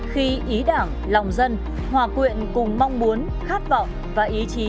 khi ý đảng lòng dân hòa quyện cùng mong muốn khát vọng và ý chí